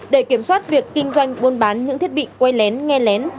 để kiểm soát việc kinh doanh buôn bán những thiết bị quay lén nghe lén